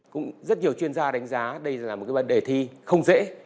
cũng rất nhiều chuyên gia đánh giá đây là một cái vấn đề thi không dễ